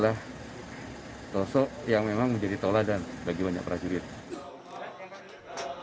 bagi banyak prasidir